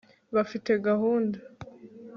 bafite gahunda